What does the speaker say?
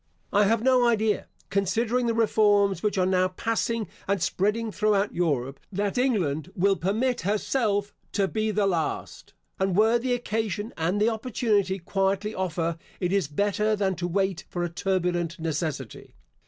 I have no idea, considering the reforms which are now passing and spreading throughout Europe, that England will permit herself to be the last; and where the occasion and the opportunity quietly offer, it is better than to wait for a turbulent necessity.